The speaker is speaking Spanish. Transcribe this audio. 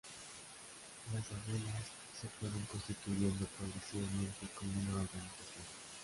Las abuelas se fueron constituyendo progresivamente como una organización.